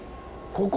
ここ？